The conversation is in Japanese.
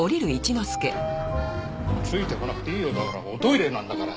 ついてこなくていいよだからおトイレなんだから。